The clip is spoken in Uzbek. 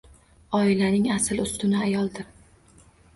Oilaning asl ustuni ayoldir